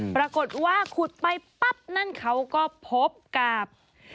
ปรากฏว่าขุดไปปั๊บนั่นเขาก็พบกับ